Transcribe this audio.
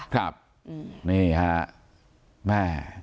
ครับนี่ค่ะ